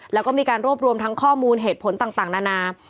แล้วก็มีการรวบรวมทั้งข้อมูลเหตุผลต่างนานา